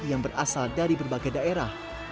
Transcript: yang berasal dari berbagai daerah